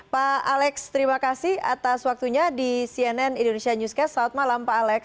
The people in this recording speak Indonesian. pak alex terima kasih atas waktunya di cnn indonesia newscast selamat malam pak alex